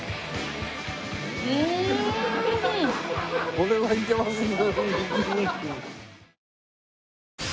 これはいけますね。